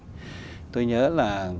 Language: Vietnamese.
cái nội dung chuyên môn của mình